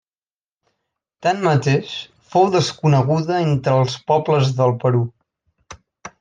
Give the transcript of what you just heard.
Tanmateix, fou desconeguda entre els pobles del Perú.